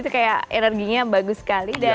kayak energinya bagus sekali